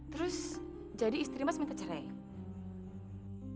terus jadi istri mas minta cerai